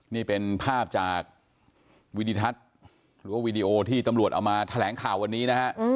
นี่เป็นภาพจากวิดิทัศน์หรือว่าวีดีโอที่ตำรวจเอามาแถลงข่าววันนี้นะฮะ